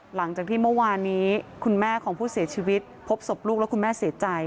หลังจากที่เมื่อวานนี้คุณแม่ของผู้เสียชีวิตพบศพลูกแล้วคุณแม่เสียใจ